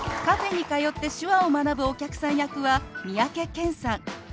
カフェに通って手話を学ぶお客さん役は三宅健さん。